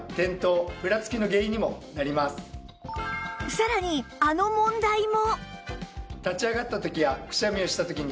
さらにあの問題も